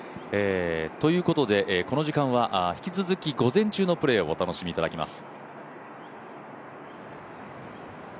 ということで、この時間は引き続き午前中のプレーをお楽しみいただきます。